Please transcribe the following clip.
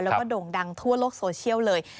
แล้วก็โด่งดังทั่วโลกโซเชียลเลย